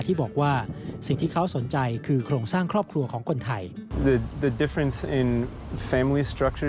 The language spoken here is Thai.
ที่บอกว่าสิ่งที่เขาสนใจคือโครงสร้างครอบครัวของคนไทย